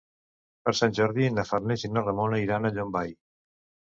Per Sant Jordi na Farners i na Ramona iran a Llombai.